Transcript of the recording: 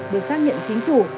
được xác nhận chính chủ